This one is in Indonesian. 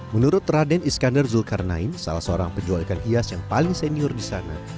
menurut raden iskandar zulkarnain salah seorang penjual ikan hias yang paling senior di sana